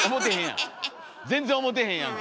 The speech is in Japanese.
全然思てへんやんか。